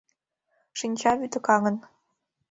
Шинча вудакаҥын.